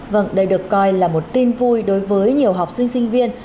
vâng đây được coi là một tin vui đối với nhiều học sinh sinh viên